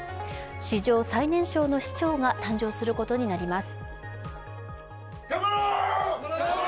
史上最年少の市長が誕生することになります。